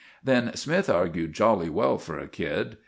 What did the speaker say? Then Smythe argued jolly well for a kid.